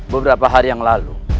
beberapa hari yang lalu